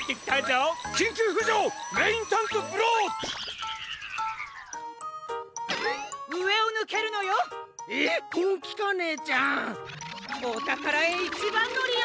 おたからへいちばんのりよ！